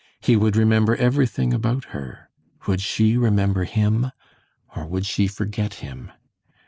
He would remember everything about her. Would she remember him, or would she forget him?